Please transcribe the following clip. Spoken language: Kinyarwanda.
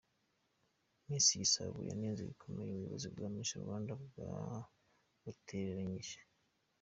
Miss Igisabo yanenze bikomeye ubuyobozi bwa Miss Rwada bwabatereranye.